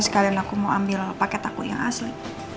sekalian aku mau ambil paket aku yang asli